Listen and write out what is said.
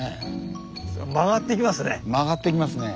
曲がっていきますね。